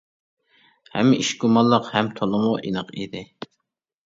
ھەممە ئىش گۇمانلىق ھەم تولىمۇ ئېنىق ئىدى.